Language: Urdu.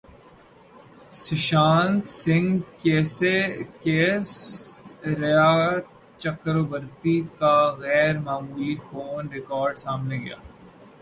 سشانت سنگھ کیس ریا چکربورتی کا غیر معمولی فون ریکارڈ سامنے گیا